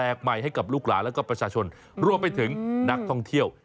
ใหม่ให้กับลูกหลานแล้วก็ประชาชนรวมไปถึงนักท่องเที่ยว